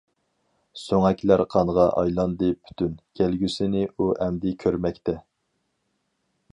سۆڭەكلەر قانغا ئايلاندى پۈتۈن، كەلگۈسىنى ئۇ ئەمدى كۆرمەكتە.